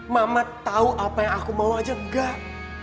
mama tahu apa yang aku mau aja enggak